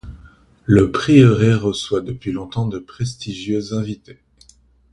Le Prieuré reçoit depuis longtemps de prestigieux invités.